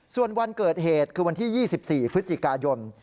ส่วนวันเกิดเหตุคือวันที่๒๔พฤศจิกายน